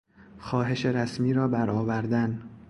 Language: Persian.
خواهش رسمی را برآوردن